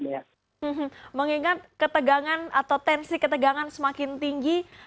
mengingat ketegangan atau tensi ketegangan semakin tinggi